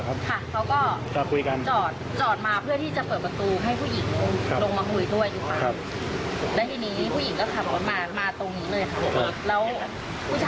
เสร็จแล้วเขาก็ถือปืนจับปืนที่เอวออกมายิงรอเลย